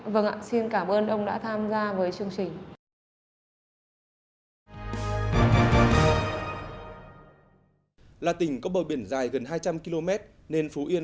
vâng ạ xin cảm ơn ông đã tham gia với chương trình